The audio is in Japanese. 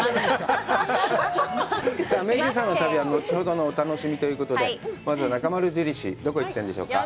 さあＭａｙＪ．さんの旅は後ほどのお楽しみということで、まずはなかまる印、どこ行ってるんでしょうか。